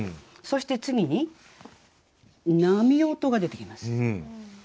そして次に「波音」が出てきます。